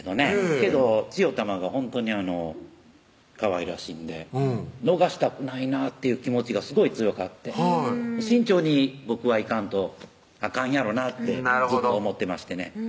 けどちよたまがほんとにかわいらしいんで逃したくないなっていう気持ちがすごい強かって慎重に僕はいかんとあかんやろなってずっと思ってましてね